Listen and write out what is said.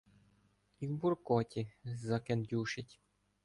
І в буркоті закендюшить.